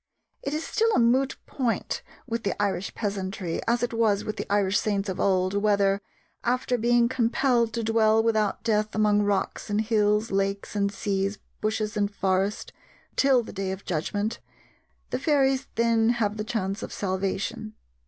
It is still a moot point with the Irish peasantry, as it was with the Irish saints of old, whether, after being compelled to dwell without death among rocks and hills, lakes and seas, bushes and forest, till the day of judgment, the fairies then have the chance of salvation.